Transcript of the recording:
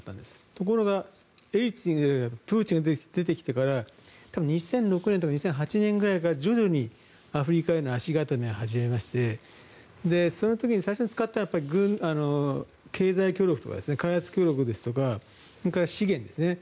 ところが、エリツィンのあとプーチンが出てきてから多分２００６年とか２００８年ぐらいから徐々にアフリカへの足固めを始めましてその時に最初に使ったのは経済協力、開発協力ですとかそれから資源ですね。